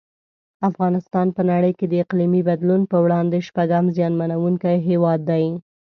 افغانستان په نړۍ کې د اقلیمي بدلون په وړاندې شپږم زیانمنونکی هیواد دی.